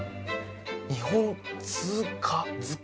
日本通貨図鑑。